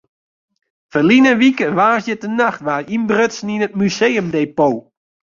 Ferline wike woansdeitenacht waard ynbrutsen yn it museumdepot.